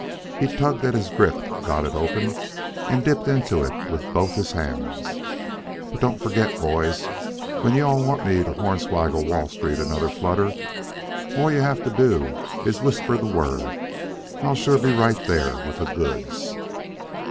He tugged at his grip, got it open, and dipped into it with both his hands. "But don't forget, boys, when you all want me to hornswoggle Wall Street another flutter, all you all have to do is whisper the word. I'll sure be right there with the goods."